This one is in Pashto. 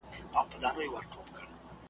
پښتو متلونه .